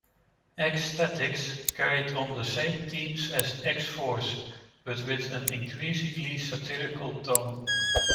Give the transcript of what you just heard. "X-Statix" carried on the same themes as "X-Force", but with an increasingly satirical tone.